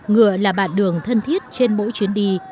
ngựa là bạn đường thân thiết trên mỗi chuyến đi